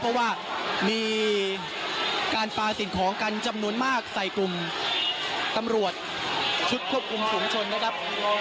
เพราะว่ามีการปลาสิ่งของกันจำนวนมากใส่กลุ่มตำรวจชุดควบคุมฝุงชนนะครับ